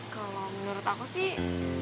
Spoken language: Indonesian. kalau menurut aku sih